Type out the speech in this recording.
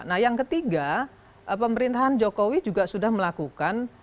nah yang ketiga pemerintahan jokowi juga sudah melakukan